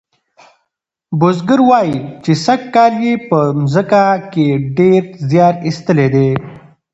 بزګر وایي چې سږکال یې په مځکه کې ډیر زیار ایستلی دی.